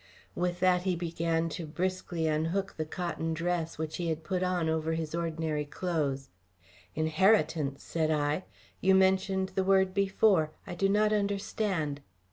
With that he began briskly to unhook the cotton dress which he had put on over his ordinary clothes. "Inheritance!" said I. "You mentioned the word before. I do not understand."